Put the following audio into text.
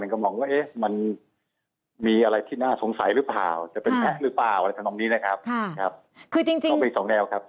ก็มีทั้ง๒แนวนะครับ